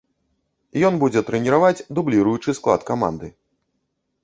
Ён будзе трэніраваць дубліруючы склад каманды.